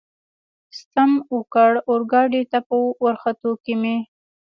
ستم وکړ، اورګاډي ته په ورختو کې مې.